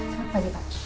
selamat pagi pak